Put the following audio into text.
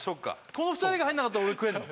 この２人が入んなかったら俺食えんの？